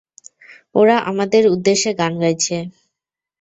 ওরা আমাদের উদ্দেশ্যে গান গাইছে!